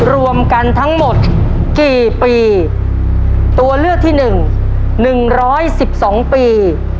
รวมกันทั้งหมดกี่ปีตัวเลือกที่หนึ่งหนึ่งร้อยสิบสองปี